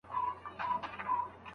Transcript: خوږ دی مرگی! چا ويل د ژوند ورور نه دی؟